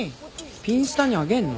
ピンスタにあげんの。